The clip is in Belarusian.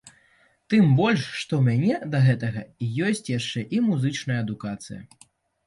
Тым больш, што ў мяне да гэтага ёсць яшчэ і музычная адукацыя.